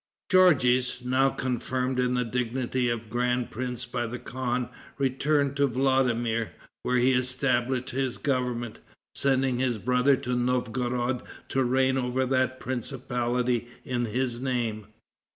Georges, now confirmed in the dignity of grand prince by the khan, returned to Vladimir, where he established his government, sending his brother to Novgorod to reign over that principality in his name.